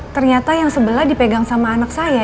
ternyata yang sebelah dipegang sama anak saya